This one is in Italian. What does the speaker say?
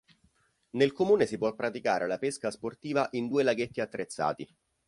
Nel comune si può praticare la pesca sportiva in due laghetti attrezzati.